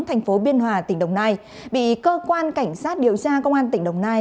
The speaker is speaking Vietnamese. tp biên hòa tỉnh đồng nai bị cơ quan cảnh sát điều tra công an tỉnh đồng nai